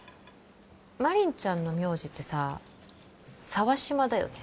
真凛ちゃんの名字ってさ沢島だよね？